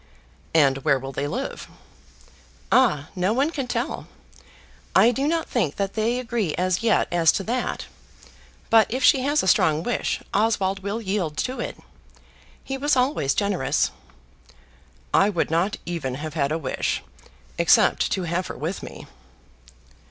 "And where will they live?" "Ah! no one can tell. I do not think that they agree as yet as to that. But if she has a strong wish Oswald will yield to it. He was always generous." "I would not even have had a wish, except to have her with me."